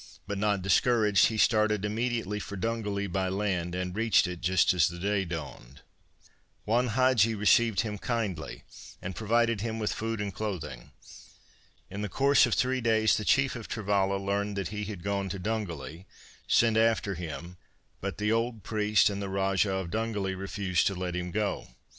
But not discouraged, he started immediately for Dungally by land, and reached it just as the day dawned. Juan Hadgee received him kindly and provided him with food and clothing. In the course of three days the chief of Travalla learning that he had gone to Dungally, sent after him, but the old priest and the Rajah of Dungally refused to let him go.